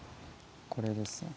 これですね。